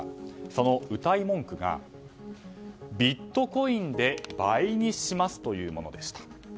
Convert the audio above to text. そのうたい文句がビットコインで倍にしますというものでした。